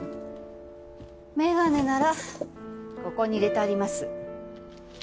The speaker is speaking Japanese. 眼鏡ならここに入れてあります。